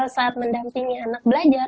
saat mendampingi anak belajar